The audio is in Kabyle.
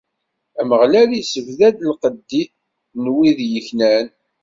Ameɣlal issebdad lqedd n wid yeknan.